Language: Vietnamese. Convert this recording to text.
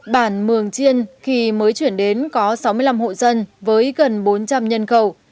bản mường chiên khi mới chuyển đến có sáu mươi năm hộ dân với gần bốn trăm linh nhân khẩu